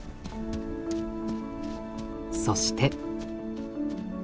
そして。